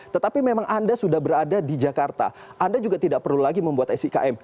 tetapi memang anda sudah berada di jakarta anda juga tidak perlu lagi membuat sikm